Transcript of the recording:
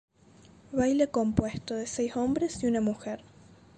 Baile compuesto de seis hombres y una mujer.